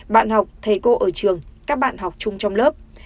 bạn học thầy cô ở trường các bạn học chung trong lớp